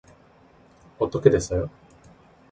어떻게 됐어요?